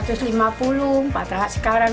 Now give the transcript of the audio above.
tentu kan banyak pemakaian